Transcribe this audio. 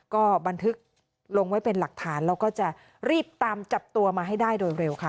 ก็บันทึกลงไว้เป็นหลักฐานแล้วก็จะรีบตามจับตัวมาให้ได้โดยเร็วค่ะ